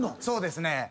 そうですね。